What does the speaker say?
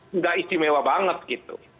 tidak istimewa banget gitu